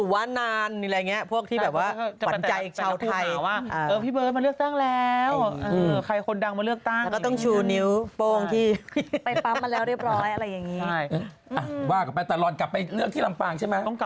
ว่ากลับไปแต่ลอนกลับไปเลือกที่ลำปางใช่ไหม